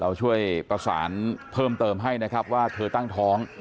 ช่วยประสานเพิ่มเติมให้นะครับว่าเธอตั้งท้อง